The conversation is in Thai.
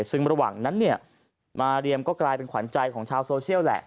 ซึ่งระหว่างนั้นเนี่ยมาเรียมก็กลายเป็นขวัญใจของชาวโซเชียลแหละ